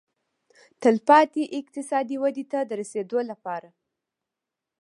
تلپاتې اقتصادي ودې ته د رسېدو لپاره.